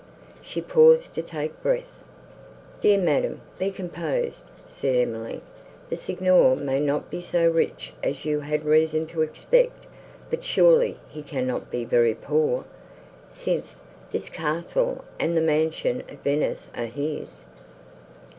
She paused to take breath. "Dear Madam, be composed," said Emily: "the Signor may not be so rich as you had reason to expect, but surely he cannot be very poor, since this castle and the mansion at Venice are his.